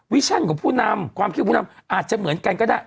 ชั่นของผู้นำความคิดของผู้นำอาจจะเหมือนกันก็ได้